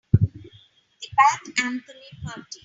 The Pat Anthony Party.